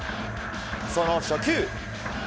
その初球。